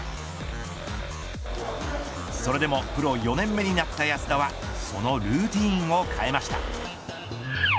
それでもプロ４年目になった安田はそのルーティンを変えました。